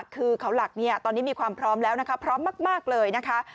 คือเขาหลักเนี่ยตอนนี้มีความพร้อมแล้วนะคะพร้อมมากเลยนะคะ